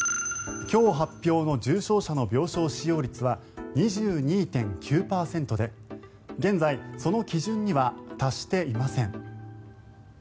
今日発表の重症者の病床使用率は２２．９％で現在、その基準には達していません。